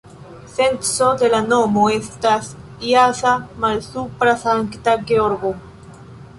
Senco de la nomo estas jasa-malsupra-Sankta-Georgo.